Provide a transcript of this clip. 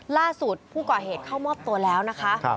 ล่าสุดผู้ก่อเหตุเข้ามอบตัวแล้วนะคะ